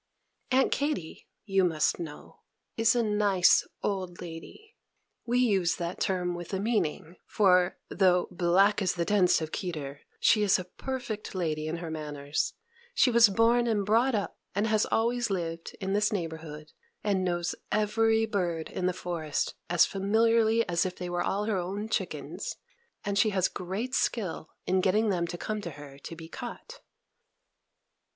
Aunt Katy, you must know, is a nice old lady. We use that term with a meaning; for, though "black as the tents of Kedar," she is a perfect lady in her manners: she was born and brought up, and has always lived, in this neighborhood, and knows every bird in the forest as familiarly as if they were all her own chickens; and she has great skill in getting them to come to her to be caught.